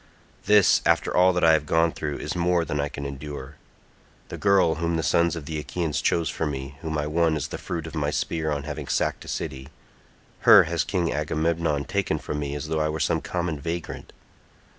This, after all that I have gone through, is more than I can endure. The girl whom the sons of the Achaeans chose for me, whom I won as the fruit of my spear on having sacked a city—her has King Agamemnon taken from me as though I were some common vagrant.